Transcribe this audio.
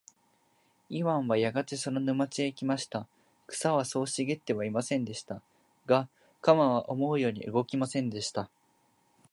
イワンはやがてその沼地へ来ました。草はそう茂ってはいませんでした。が、鎌は思うように動きませんでした。